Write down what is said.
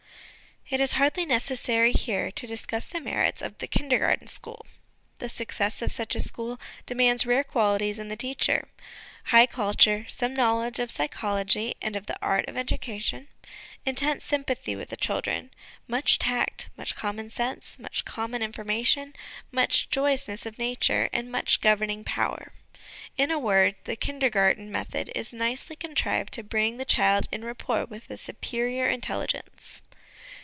It is hardly necessary, here, to discuss the merits of the Kindergarten School. The success of such a school demands rare qualities in the teacher high culture, some knowledge of psychology and of the art of education ; intense sympathy with the children, much tact, much common sense, much common information, much 'joyousness of nature,' and much governing power ; in a word, the Kindergarten method is nicely contrived to bring the child en rapport with a superior intelligence.